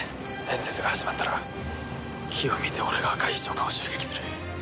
演説が始まったら機を見て俺が赤石長官を襲撃する。